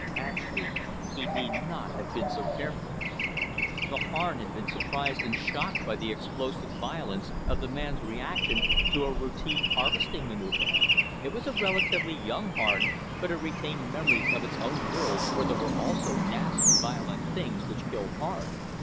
Actually, he need not have been so careful. The Harn had been surprised and shocked by the explosive violence of the man's reaction to a routine harvesting maneuver. It was a relatively young Harn, but it retained memories of its own world, where there were also nasty, violent things which killed Harn.